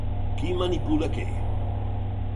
Qui manipula què?